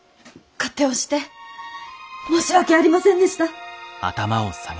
勝手をして申し訳ありませんでした。